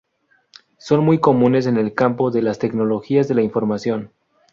Son muy comunes en el campo de las tecnologías de la información.